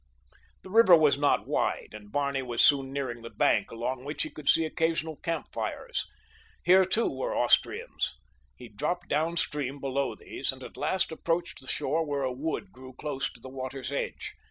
The river was not wide, and Barney was soon nearing the bank along which he could see occasional camp fires. Here, too, were Austrians. He dropped down stream below these, and at last approached the shore where a wood grew close to the water's edge.